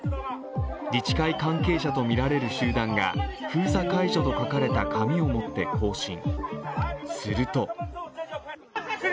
自治会関係者とみられる集団が、「封鎖解除」と書かれた紙を持って行進。